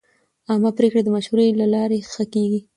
عامه پریکړې د مشورې له لارې ښه کېږي.